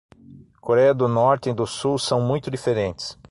Coréia do Norte e do Sul são muito diferentes.